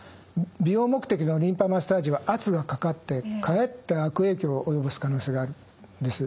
美容目的のリンパマッサージは圧がかかってかえって悪影響を及ぼす可能性があるんです。